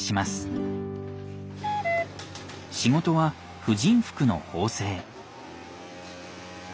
仕事は婦人服の縫製。